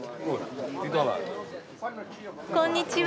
こんにちは。